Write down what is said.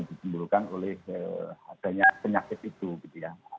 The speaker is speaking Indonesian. ditimbulkan oleh adanya penyakit itu gitu ya